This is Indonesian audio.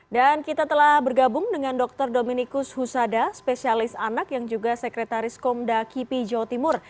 dan kita telah bergabung dengan dr dominikus husada spesialis anak yang juga sekretaris komda kipi jawa timur